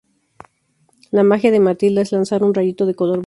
La magia de Matilda es lanzar un rayito de color verde.